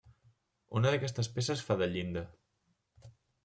Una d'aquestes peces fa de llinda.